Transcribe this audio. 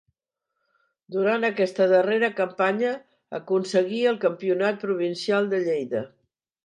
Durant aquesta darrera campanya aconseguí el campionat provincial de Lleida.